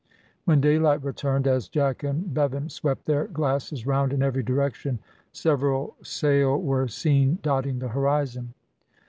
When daylight returned, as Jack and Bevan swept their glasses round in every direction, several sail were seen dotting the horizon.